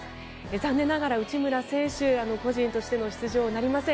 残念ながら内村選手個人としての出場はなりません。